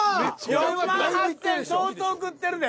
４８，０００円相当食ってるで。